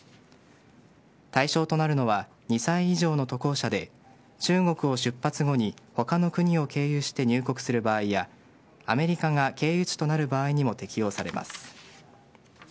対象となるのは２歳以上の渡航者で中国を出発後に他の国を経由して入国する場合やアメリカが経由地となる場合にも適用されます。